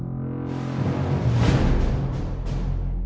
ที่สุดท้ายที่สุดท้าย